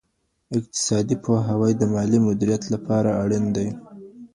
اقتصادي پوهاوی د مالي مدیریت لپاره اړین دی.